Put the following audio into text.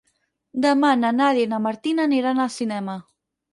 Demà na Nàdia i na Martina aniran al cinema.